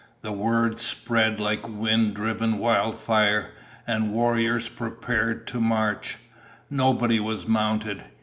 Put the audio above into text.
The word spread like wind driven wildfire, and warriors prepared to march. Nobody was mounted.